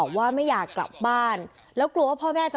คำให้การในกอล์ฟนี่คือคำให้การในกอล์ฟนี่คือ